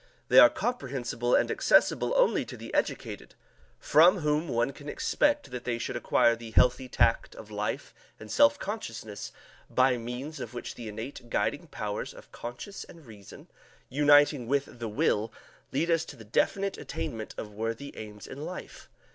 They are comprehensible and accessible only to the educated, from whom one can expect that they should acquire the healthy tact of life and self consciousness by means of which the innate guiding powers of conscience and reason, uniting with the will, lead us to the definite attainment of worthy aims in life.